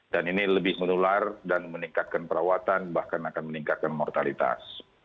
dan ini lebih menular dan meningkatkan perawatan bahkan akan meningkatkan mortalitas